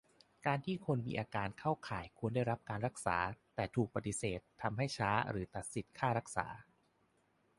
การที่คนมีอาการที่เข้าข่ายควรได้รับการรักษา แต่ถูกปฏิเสธ ทำให้ช้า หรือตัดสิทธิค่ารักษา